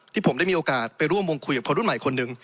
ที่ผมได้มีโอกาสไปร่วมวงคุยกับคนรุ่นใหม่คนหนึ่ง